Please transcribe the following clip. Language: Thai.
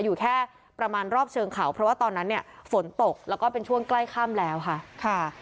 อยู่แค่ประมาณรอบเชิงเขาเพราะว่าตอนนั้นเนี่ยฝนตกแล้วก็เป็นช่วงใกล้ค่ำแล้วค่ะค่ะ